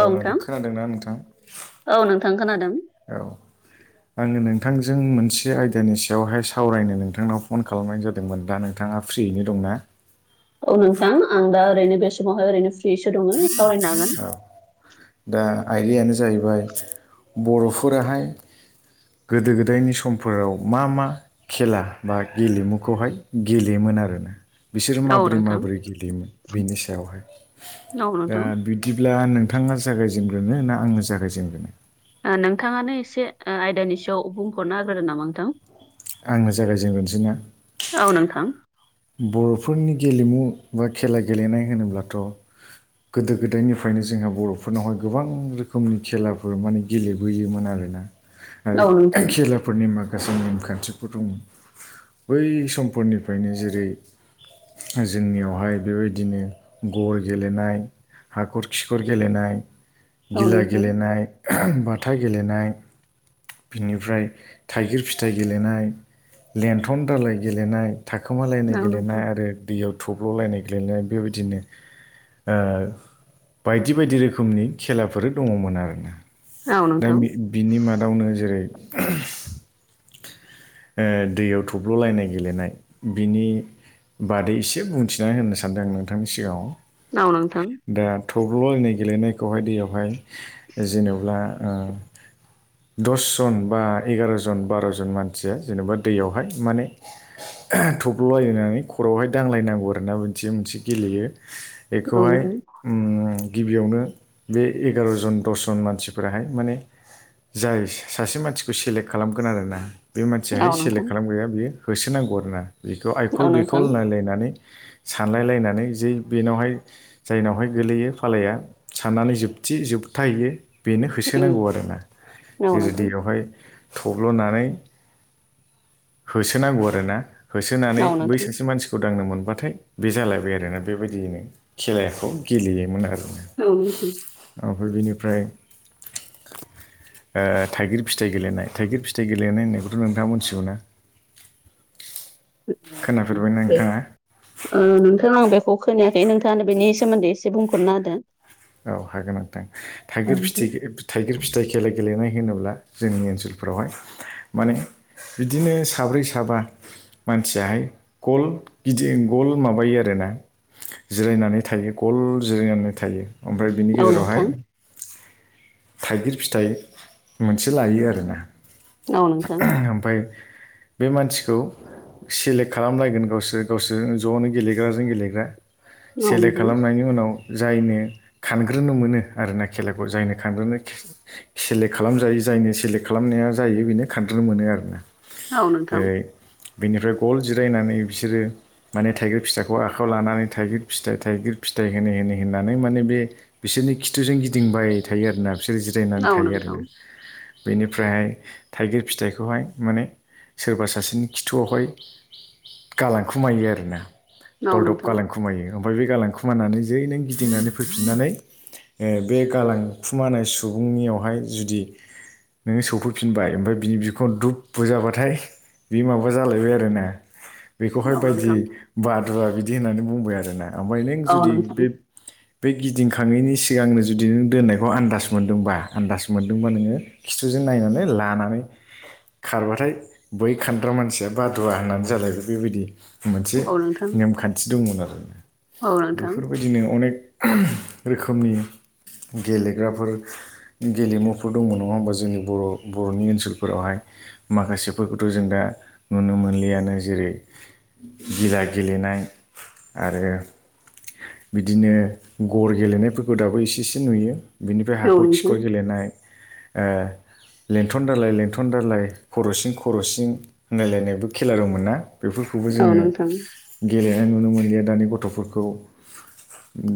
औ नोंथां खोनादोंना नोंथां औ नोंथां खोनादों औ। आङो नोंथांजों मोनसे आयदानि सायावहाय सावरायनो नोंथांनाव फन खालामनाय जादोंमोन दा नों थाङा फ्रियैनो दंना? औ नोंथां आं दा ओरैनो बे समावहाय ओरैनो फ्रिसो दङो सावरायनो हागोन। दा आयदायानो जाहैबाय बर'फोराहाय गोदो गोदायनि समफोराव मा मा खेला बा गेलेमुखौहाय गेलेयोमोन आरोना। बिसोरो हागोन औ माबोरै नोंथां माबोरै गेलेयोमोन बिनि सायावहाय औ ओ नोंथां बिदिब्ला नोंथाङा जागायजेनग्रोनो ना आङो जागायजेनग्रोनो ओ नोंथाङानो एसे ओ आयदानि सायाव बुंफोरना होग्रोदो नामा नोंथां? आंनो जागायजेनग्रोनोसै ना? औ नोंथां बर'फोरनि गेलेमु बा खेला गेलेनाय होनोब्लाथ' गोदो गोदायनिफ्रायनो जोंहा बर'फोरनावहाय गोबां रोखोमनि खेलाफोर माने गेलेबोयोमोन आरोना। आरो औ नोंथां खेला फोरनि माखासे नेम खान्थिफोर दङ बै समफोरनिफ्रायनो जेरै जोंनियावहाय बेबायदिनो गर गेलेनाय हाखर खिखर गेलेनाय औ गिला नोंथां गेलेनाय बाथा गेलेनाय बिनिफ्राय थाइगिर फिथाइ गेलेनाय लेन्थन दालाय गेलेनाय थाखोमालायनाय औ नोंथां गेलेनाय आरो दैयाव थब्ल'लायनाय गेलेनाय बेबायदिनो बायदि बायदि रोखोमनि खेलाफोर दङमोन आरोना औ दा नोंथां बिनि मादावनो जेरै दैयाव थब्ल'लायनाय गेलेनाय बिनि बादै एसे बुंथिनानै होननो सानदों आं नोंथांनि सिगाङाव औ नोंथां दा थब्ल' जनाय गेलेनायखौहाय दैयावहाय जेनब्ला दसजन बा एगार'जन बार'जन मानसिया जेनेबा दैयावहाय माने थब्ल'लायनानै खरआवहाय दांलायनांगौ आरोना मोनसे मोनसे गेलेयो औ नोंथां औ बेखौहाय गिबियावनो बे एगार'जन दसजन मानसिफोराहाय माने जाय सासे मानसिखौ सेलेक्ट खालामगोन आरोना बे मानसियाहाय सेलेक्ट नोंथां खालामगैया बियो होसोनांगौ आरो ना बेखौ औ आइखल नोंथां बेखल होनलायलायनानै सानलाय लायनानै जे बेनावहाय जायनावहाय गोगलैयो फालाया साननानै जोबथि जोबथाहैयो बेनो उम होसोनांगौ आरोना औ जेरै नोंथां दैयावहाय थब्ल'नानै होसोनांगौ आरोना होसोनानै औ बै नोंथां सासे मानसिखौ सुदांनो मोनबाथाय बे जालायबाय आरोोना बेबायदियैनो खेलखौ गेलेयोमोन आरो औ ओमफ्राय बेनिफ्राय थाइगिर फिथाइ गेलेनाय थाइगिर फिथाइ गेलेनाय होननायखौथ' नोंथाङा मोनथिगौ ना खोनाफेरबाय अे [unintelligible] नोंथाङा नोंथांनं बेखौ खोनायाखै नोंथाङा बेनि सोमोन्दै एसे बुंफोरना होदो औ हागोन नोंथां थाइगिर फिथि थाइगिर फिथाइ खेला गेलेनाय होनोब्ला जोंनि ओनसोलफोरावहाय माने बिदिनो साब्रै साबा मानसियाहाय गल गिदिं गल माबायो आरोना जिरायनानै थायो गल जिरायनानै थायो ओमफ्राय बिनि औ गेजेरावहाय नोंथां थाइगिर फिथाइ मोनसे लायो आरोना औ नोंथां ओमफाय बे मानसिखौ सेलेक्ट खालामलायगोन गावसोर गावसोर ज'नो गेलेग्राजों गेलेग्रा औ सेलेक्ट नोंथां खालामनायनि उनाव जायनो खानग्रोनो मोनो आरोना खेलाखौ जायनो खानद्रानो सेलेक्ट खालामजायो जायनि सेलेक्ट खालामनाया जायो बेनो खानफग्रोनो मोनो आरोना औ नोंथां बिनिफ्राय गल जिरायनानै बिसोरो माने थाइगिर फिथाइखौ आखायाव लानानै थाइगिर फिथाइ थाइगिर फिथाइ होनै होनै होननानै माने बे बिसोरनि खिथुजों गिदिंबाय थायो आरोोना बिसोर जिरायनानै औ थायो नोंथां आरोना बेनिफ्रायहाय थाइगिर फिथाइखौहाय माने सोरबा सासेनि खिथुआवहाय गालांखुमायो आरोना औ दलदब नोंथां गालाखु खुमायो ओमफ्राय बे गालां खुमानानै ज नों गिदिंनानै फैफिननानै बे गालां खुमानाय सुबुंनियावहाय जुदि नोङो सौफैफिनबाय ओमफ्राय बिनि बिखुंङाव' दुब बुजाबाथाय बि माबा जालायबाय आरोना बेखौहाय औ बायदि नोंथां बादुवा बिदि होननानै बुंबाय आरोना ओमफ्राय नों औ जुदि नोंथां बे बे गिदिंखांङैनि सिगांनो जुदि नों दोननाय बेबखौ आन्दास मोन्दोंबा आन्दास मोन्दोंबा नोङो खिथुजों नायनानै लानानै खारबाथाय बै खानद्रा मानसिया बादुवा होननानै जालायबाय बेबायदि मोनसे औ नोंथां नेमखान्थि दंमोन आरो औ नोंथां बेफोरबायदि बिदिनो अनेक रोखोमनि गेलेग्राफोर गेलेमुफोर दङ नङा होमबा जोंनि बर' बर'नि ओनसोलफोरावहाय माखासेफोरखौथ' जों दा नुनो मोनलियानो जेरै गिला गेलेनाय आरो बिदिनो गर गेलेनायफोरखौ दाबो इसे एसे नुयो बिनिफ्राय औ हाखर नोंथां खिखर गेलेनाय लेंथन दालाय लेंथन दालाय खर'सिन खर'सिन होनायलायनायबो खेला दं मोना बेफोरखौबो औ जोङो नोंथां गेलेनाय नुनो मोनलिया दानि गथ'फोरखौ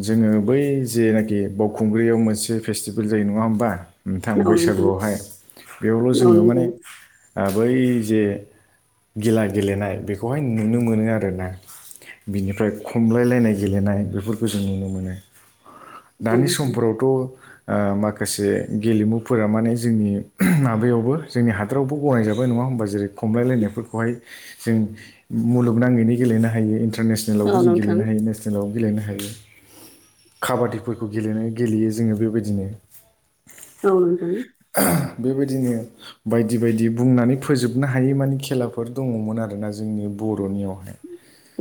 जोङो बै जेनाखि बावखुंग्रियाव मोनसे मोनसे फेटिभेल जायो नङा होनबा नोंथां बैसागुआवहाय बेयावल' औ जोङो माने नोंथां बै जे गिला गेलेनाय बेखौहाय नुनो मोनो आरोना बिनिफ्राय खमलायलायनाय गेलेनाय बेफोरखौ जों नुनो मोनो दानि समफोरावथ' आ माखासे गेलेमुफोरा माने जोंनि माबायावबो जोंनि हा हादरावबो गनायजाबाय नङा होमबा जेरै खमलायलायनायफोरखौहाय जों मुलुगनाङैनो गेलेनो हायो इन्टारनेसनेल औ लावबो जों नोंथां गेलेनो हायो नेसनेलावबो गेलेनो हायो काबादिफोरखौ गेलेनाय गेलेयो जोङो बेबायदिनो औ नोंथां बेबायदिनो बायदि बायदि बुंनानै फोजोबनो हायै मानि खेलाफोर दङमोन आरोना जोंनि बर'नियावहाय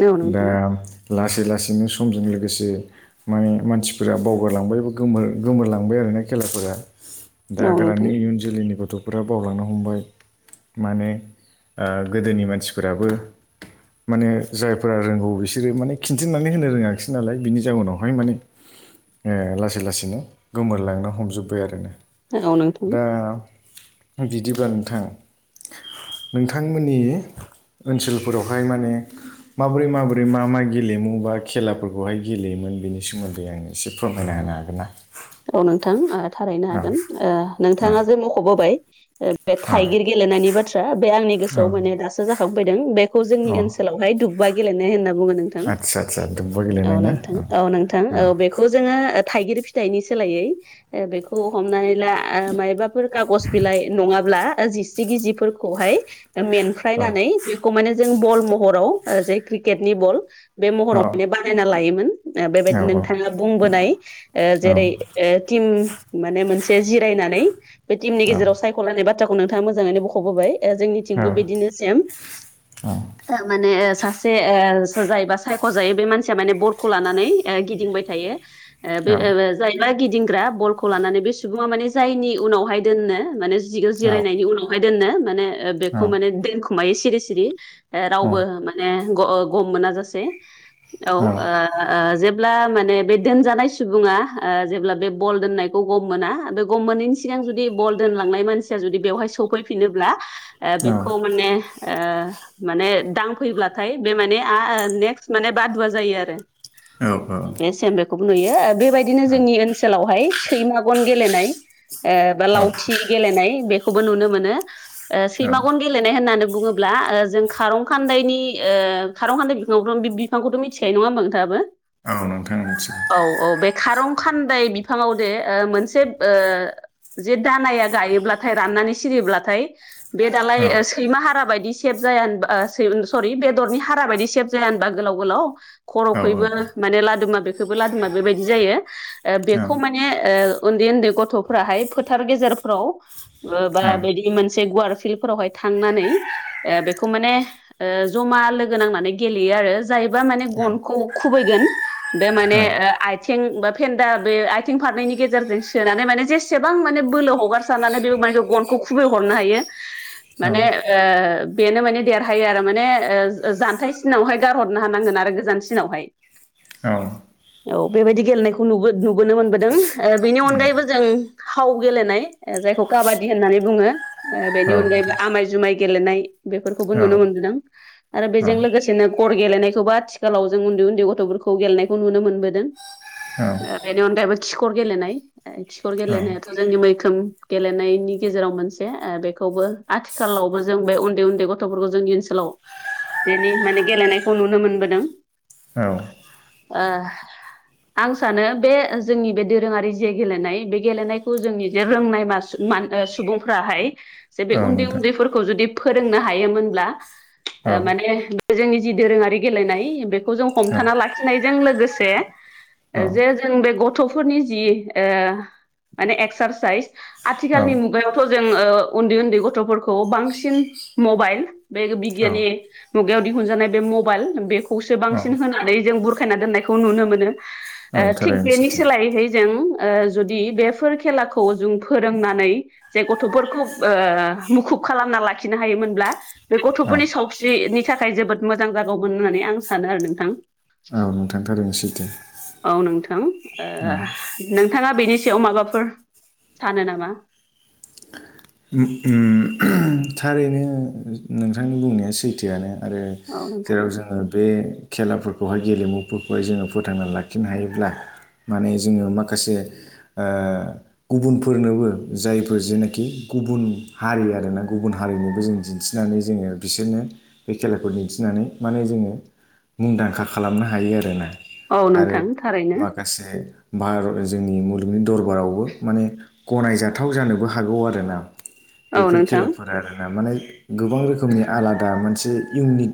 औ दा नोंथां लासै लासैनो समजों लोगोसे माने मानसिफोरा बावगारलांबायबो गोरलांबाय आरोना खेलाफोरा औ नोंथां औ दााग्रानि इउन जोलैनि गथ'फोरा बावलांनो हमबाय माने ओ गोदोनि मानसिफोराबो माने जायफोरा रोंगौ बिसोरो माने खिन्थिनानै होनो रोङाखसै नालाय बिनि जाउनावहाय माने ओ लासै लासैनो गोमोरलांनो हमजोब्बाय आरो ना नोंथां दा बिदिब्लाा नोंथां नोंथांमोननि ओनसोलफोरावहाय माने माबोरै माबोरै मा मा गेलेमु बा खेलाफोरखौहाय गेलेयोमोन बेनि सोमोनदै आं एसे फोरमायनो हानो आरो गोनना औ नोंथां थारैनो हागोन औ नोंथाङा जे मख'बोबाय बे थाइगिर गेलेनायनि बाथ्रा बे आंनि गोसोआव माने दासो जाखांफैदों बेखौ जोंनि औ ओनसोलावहाय दुब् बा गेलेनाय होनना बुङो नोंथां आदसा आदसा दुब्बा औ गेलेनाय ना नोंथां औ नोंथां औ बेखौ जोङो थाइगिर फिथाइनि सोलायै ओ बेखौ हमनानै ला मायबाफोर खागज बिलाइ नंङाब्ला जिस्रि गिजिफोरखौहाय औ मेनफ्रायनानै बेखौ माने जों बल महराव जे क्रिकेटनि बल बे औ महराव माने बानायना लायोमोन औ बेबायदि औ नोंथांङा बुंबोनाय ओ जेरै टिम माने मोनसे जिरायनानै बे टिमनि गेजेराव सायख'नानै बा बाथ्राखौ नोंथांङा मोजांङैनो बख'बोबाय जोंनिथिंबो बिदिनो सेम माने सासे ओ जायोबा सायख' जायो बे मानसिया माने बरखौ लानानै गिदिंबाय थायो थायो बे जायबा गिदिंग्रा बलखौ लानानै बे सुबुं माने जायनि उनावहाय दोननो माने जिग जिरायनायनि उनावहाय दोननो माने बेखौ माने दोनखुमायो सिरि सिरि रावबो माने गम मोनाजसे औ ओ ओ जेब्ला माने बे दोनजानाय सुबुंङा ओ जेब्ला बे बल दोननायखौ गम मोना बे गम मोनैनि सिगां जुदि बल दोनलांनाय मानसिया जुदि बेवहाय सफै फिनोब्ला बेखौ माने ओ माने दांफैब्लाथाय बे माने नेक्स्ट माने बादुवा जायो आरो बे सेम बेखौबो नुयो बेबायदिनो औ जोंनि ओन सोलावहाय सैमागन गेलेनाय, बा औ औ लावथि गेलेनाय बेखौबो नुनो मोनो। औ ओ गे गेलेनाय होननानै बुंङोब्ला ओ जों खारंखान्दायनि ओ खारंखान्दाय बिखौबो बिफांखौ'थ' मिथिखायो नंङा होनबा नोंथांआबो? औ नोंथां मिथिगौ। खारं खान्दाय बिफांङाव दे ओ मोनसे ओ जे दानाया गायोब्लाथाय राननानै सिरियोब्लाथाय बे दालाय औ ओ सैमा हारा बायदि सेब जाया होनबा सरि बेदरनि हारा बायदि सेब जाया होनबा गोलाव गोलाव? औ खर'खैबो माने लादोमा बेखौबो लादोमा बेबायदि जायो बेखौ मान [unintelligible] ओ उन्दै उन्दै गथ'फोराहाय फोथार गेजेरफ्राव बा बिदि मोनसे गुवार फिलफोरावहाय थांनानै बेखौ माने ओ जमा लोगो नांनानै गेलेयो आरो जायबा माने गनखौ खुबैगोन बे औ माने ओ आ थिं बा फेन्दा बे आयथिं फारैनायनि गेजेरजों सोनानै माने जेसेबां माने बोलो हगार साननानै बे [unintelligible] गनखौ खुबै हरनो हायो नोंथां माने ओ बेनो माने देरहायो आरो माने ओ जानथाइ सिनावहाय गारहरनो हानांगोन आरो गोजानसिनावहाय। औ औ बेबायदि गेलेनायखौ नुबो नुबोनो मोनबोदों ओ बेनि अनगायैबो जों फाव गेलेनाय ओ जायखौ काबादि होननानै बुङो। औ बेनि अनगायैबो आमाय जुमाय गेलेनाय बेफोरखौबो नुनो नोंथां मोनबोदों आरो बेजों औ लोगोसे बिदिनो गर गेलेनायखौबो आथिखालाव जों उन्दै उन्दै गथ'फोरखौ गेलेनायखौ नुनो मोनबोदों। बेनि अनगायैबो खिखर गेलेनाय खिखर गेलेनायाथ' जोंनि मैखोम गेलेनायनि गेजेराव मोनसे ओ बेखौबो आथिखालावबो जों बे उन्दै उन्दै ग थ'फोरखौ जोंनि ओनसोलाव बेनि माने गेलेनायखौ नुनो मोनबोदों। औ ओ आं सानो बे जोंनि बे दोरोङारि जे गेलेनाय बे गेलेनायखौ जोंनि जे रोंनाय मासु मा सुबुंफ्राहाय जे बे उन्दै उन्दैफोरखौ जुदि फोरोंनो हायोमोनब्ला ओ माने जोंनि जि दोरोंङारि गेलेनाय बेखौ जों हमथाना लाखिनायजों लोगोसे जे जों बे गथ'फोरनि जि माने एक्सारसाइस औ आथिखालनि मुगायाव थ' जोंङो उन्दै उन्दै गथ'फोरखौ बांसिन मबाइल बे बिगियानि मुगायाव दिहुनजानाय बे मबाइल बेखौसो औ बांसिन होनानै जों बुरखायना दोननायखौ नुनो मोनो। ओ थिग थारैनो बेनि सैथो सोलायैहै जों ओ जुदि बेफोर खेलाखौ जों फोरोंनानै जे गथ'फोरखौ ओ मुखुब खालामना लाखिनो हायोमोनब्ला बे औ गथ'फोरनि सावस्रिनि थाखाय जोबोद मोजां जागौमोन होननानै आं सानो आरो नोंथां। नोंथांथारैनो सैथो। औ नोंथां ओ औ नोंथाङा बेनि सायाव माबाफोर सानो नामा? उम उम थारैनो नोंथांनि बुंनाया सैथोआनो आरो औ नोंथां जेराव जोङो बे खेलाफोरखौहाय गेलेमुफोरखौहाय जोङो फोथांना लाखिनो हायोब्ला माने जोङो माखासे गुबुनफोरनोबो जायफोर जेनाखि गुबुन हारि आरोना गुबुन हारिनिबो जों दिन्थिनानै जोङो बिसोरनो बे खेलाखौ दिन्थिनानै माने जोङो मुंदांखा खालामनो हायो आरोना। औ आरो नोंथां थारैनो माखासे भारत जोंनि मुलुगनि दरबारावबो माने गनायजाथाव जानोबो हागौ आरो ना। औ बेफोर नोंथां खेलाफोर आरोना माने गोबां रोखोमनि आलादा मोनसे इउनिक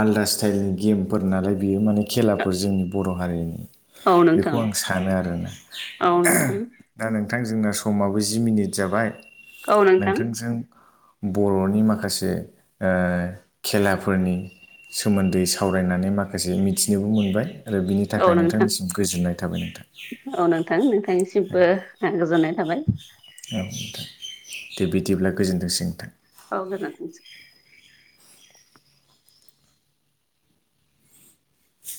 आलदा स्टाइलनि गेमफोर नालाय बेयो माने खेलाफोर जोंनि बर' हारिनि औ नोंथां बेखौ आं सानो आरोना औ नोंथां दा नोंथां जोंना समाबो जि मिनिट जाबाय औ नोंथां नोंथांजों बर'नि माखासे खेलाफोरनि सोमोन्दै सावरायनानै माखासे मिथिनोबो मोनबाय आरो बिनि औ थाखाय नोंथां नोंथांनिसिम गोजोननाय थाबाय नोंथां औ नोंथां नोंथांनिसिमबो गोजोननाय थाबाय औ दे बिदिब्ला गोजोन्थोंसै नोंथां औ गोजोन्थोंसै बि [inaudible]